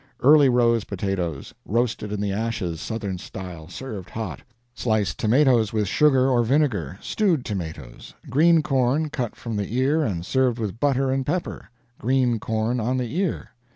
Early rose potatoes, roasted in the ashes, Southern style, served hot. Sliced tomatoes, with sugar or vinegar. Stewed tomatoes. Green corn, cut from the ear and served with butter and pepper. Green corn, on the ear.